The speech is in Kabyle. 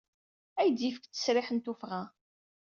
Ad iyi-d-yefk ttesriḥ n tuffɣa.